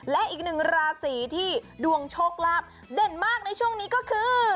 และอีกหนึ่งราศีที่ดวงโชคลาภเด่นมากในช่วงนี้ก็คือ